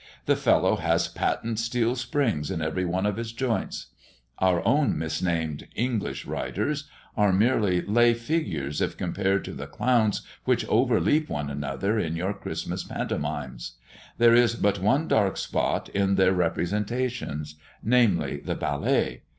The fellow has patent steel springs in every one of his joints. Our own misnamed 'English riders' are mere lay figures if compared to the clowns which overleap one another in your Christmas pantomimes. There is but one dark spot in their representations, namely, the ballet.